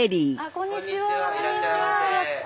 こんにちは。